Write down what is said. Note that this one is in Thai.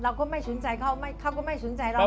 ก็ไม่สนใจเขาก็ไม่สนใจเรา